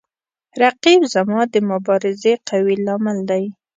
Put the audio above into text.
رقیب زما د مبارزې قوي لامل دی